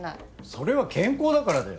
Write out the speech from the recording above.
それは健康だからだよ。